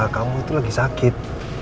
kamu tuh lagi sakit